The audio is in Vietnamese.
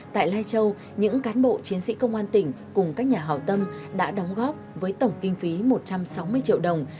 tại lai châu những cán bộ chiến sĩ công an tỉnh cùng các nhà hào tâm đã đóng góp với tổng kinh phí một trăm sáu mươi triệu đồng